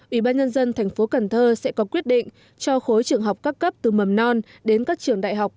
ủy ban nhân dân thành phố cần thơ sẽ có quyết định cho khối trường học các cấp từ mầm non đến các trường đại học